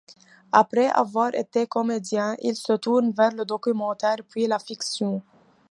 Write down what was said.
Après avoir été comédien, il se tourne vers le documentaire puis la fiction.